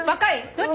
どっち？